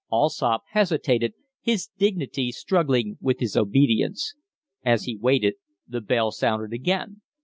Allsopp hesitated, his dignity struggling with his obedience. As he waited, the bell sounded again.